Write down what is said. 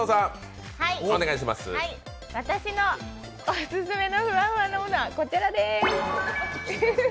私のオススメのフワフワなものはこちらです。